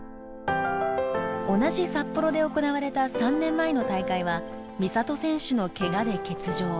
同じ札幌で行われた３年前の大会は美里選手のけがで欠場。